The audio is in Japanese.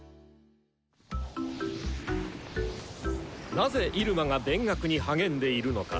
なぜ入間が勉学に励んでいるのか。